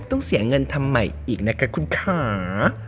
ต้องเสียเงินทำใหม่อีกนะคะคุณค่ะ